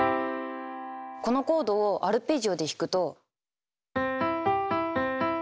このコードをアルペジオで弾くと。